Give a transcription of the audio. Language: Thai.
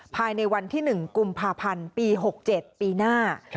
ภายในวันที่๑กุมภาพันธ์ปี๖๗ปีหน้า